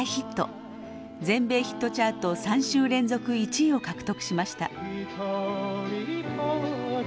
全米ヒットチャート３週連続１位を獲得しました。